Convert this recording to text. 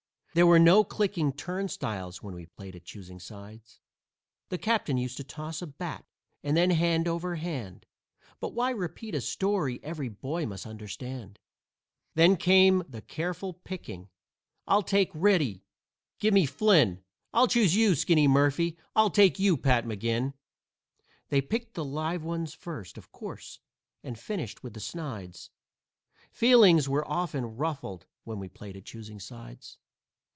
There were no clicking turnstiles when we played at "choosing sides." The captains used to toss a bat, and then, hand over hand But why repeat a story every boy must understand? Then came the careful picking "I'll take Reddy." "Give me Flynn." "I'll choose you, Skinny Murphy." "I'll take you, Pat McGinn." They picked the live ones first, of course, and finished with the snides; Feelings were often ruffled when we played at "choosing sides."